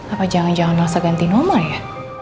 apa jangan jangan merasa ganti nomor ya